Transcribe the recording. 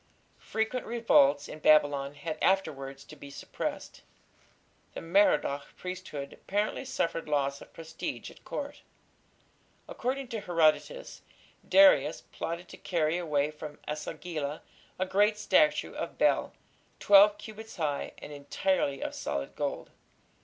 Frequent revolts in Babylon had afterwards to be suppressed. The Merodach priesthood apparently suffered loss of prestige at Court. According to Herodotus, Darius plotted to carry away from E sagila a great statue of Bel "twelve cubits high and entirely of solid gold".